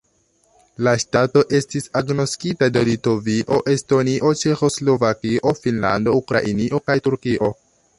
La ŝtato estis agnoskita de Litovio, Estonio, Ĉeĥoslovakio, Finnlando, Ukrainio kaj Turkio.